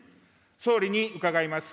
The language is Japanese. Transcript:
総理に伺います。